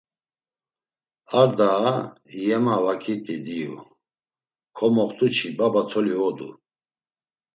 Ar daa yema vakit̆i diyu, komoxt̆u çi baba toli odu.